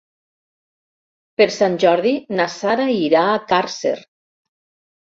Per Sant Jordi na Sara irà a Càrcer.